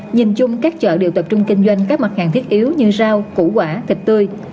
nhìn chung các chợ đều tập trung kinh doanh các mặt hàng thiết yếu như rau củ quả thịt tươi